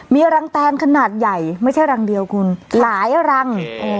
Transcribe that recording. มีรังแตนขนาดใหญ่ไม่ใช่รังเดียวคุณหลายรัง